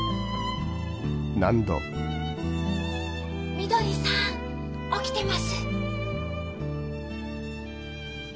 ・みどりさん起きてます？